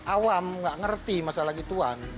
awam gak ngerti masalah gituan